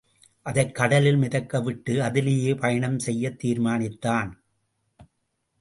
அதைக் கடலில் மிதக்க விட்டு, அதிலேயே பயனம் செய்யத் தீர்மானித்தான்.